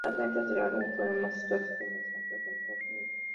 Las ventas del álbum fueron más exitosos en el extranjero que en Estados Unidos.